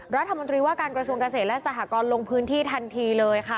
รัฐมนตรีว่าการกระทรวงเกษตรและสหกรณ์ลงพื้นที่ทันทีเลยค่ะ